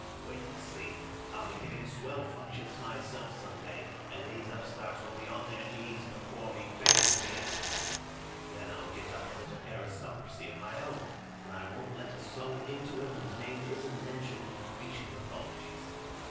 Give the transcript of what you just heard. Wait and see! I'll be giving swell functions myself some day, and these upstarts will be on their knees before me begging to be asked. Then I'll get up a little aristocracy of my own, and I won't let a soul into it whose name isn't mentioned in the Grecian mythologies.